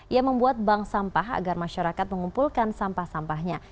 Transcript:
ia membuat bank sampah agar masyarakat mengumpulkan sampah sampahnya